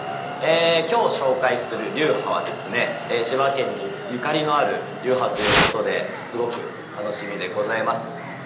今日紹介する流派はですね千葉県にゆかりのある流派ということですごく楽しみでございます。